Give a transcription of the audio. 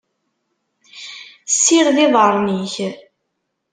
Ssired iḍarren-ik.